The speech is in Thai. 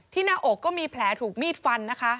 หน้าอกก็มีแผลถูกมีดฟันนะคะ